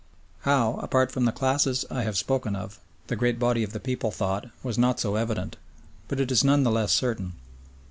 How, apart from the classes I have spoken of, the great body of the people thought was not so evident, but it is none the less certain.